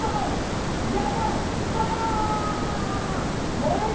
燃える